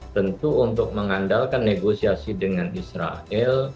tentu untuk mengandalkan negosiasi dengan israel